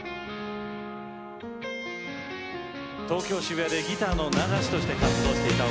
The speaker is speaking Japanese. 東京・渋谷でギターの流しとして活動していたおかゆさん。